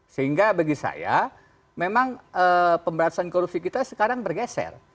sehingga bagi saya memang pemberantasan korupsi kita sekarang bergeser